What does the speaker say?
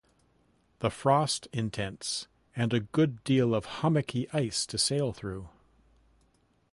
The Frost intense--and a good deal of hummocky ice to sail through.